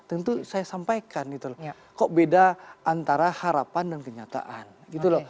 tentu saya sampaikan gitu loh kok beda antara harapan dan kenyataan gitu loh